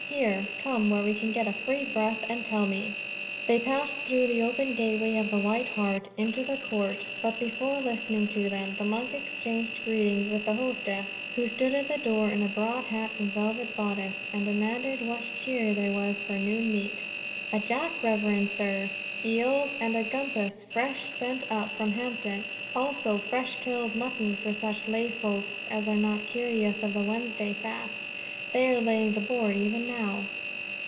Here, come where we can get a free breath, and tell me." They passed through the open gateway of the White Hart, into the court, but before listening to them, the monk exchanged greetings with the hostess, who stood at the door in a broad hat and velvet bodice, and demanded what cheer there was for noon meat. "A jack, reverend sir, eels and a grampus fresh sent up from Hampton; also fresh killed mutton for such lay folk as are not curious of the Wednesday fast. They are laying the board even now."